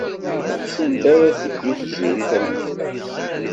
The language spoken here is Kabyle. Sanda ara teddu Tiziri tameddit-a?